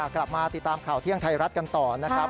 กลับมาติดตามข่าวเที่ยงไทยรัฐกันต่อนะครับ